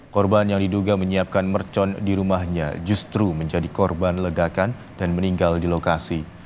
korban yang diduga menyiapkan mercon di rumahnya justru menjadi korban ledakan dan meninggal di lokasi